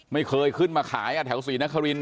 ไม่เคยขึ้นมาขายแถวศรีนคริน